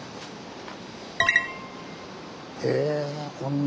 へえこんな。